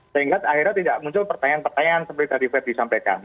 sehingga akhirnya tidak muncul pertanyaan pertanyaan seperti tadi ferdi sampaikan